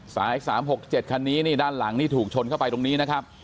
สาย๓๖๗คันนี้นี่ด้านหลังนี่ถูกชนเข้าไปตรงนี้นะครับ